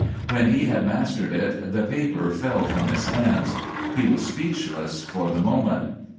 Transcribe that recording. When he had mastered it the paper fell from his hands. He was speechless for the moment.